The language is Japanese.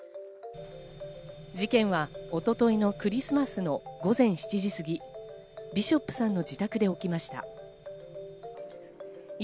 事件は一昨日のクリスマスの午前７時過ぎ、ビショップさんの自宅で起きました。